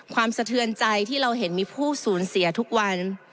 สะเทือนใจที่เราเห็นมีผู้สูญเสียทุกวัน